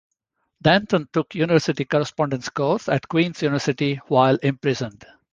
Danton took university correspondence courses at Queen's University while imprisoned.